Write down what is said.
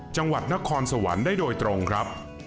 จังหวัดนครสวรรค์ได้โดยตรงครับ